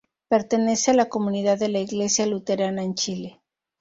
Pertenece a la comunidad de la Iglesia Luterana en Chile.